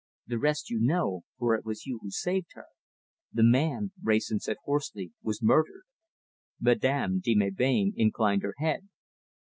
The rest you know, for it was you who saved her!" "The man," Wrayson said hoarsely, "was murdered." Madame de Melbain inclined her head.